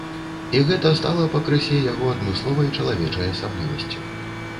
І гэта стала пакрысе яго адмысловай чалавечай асаблівасцю.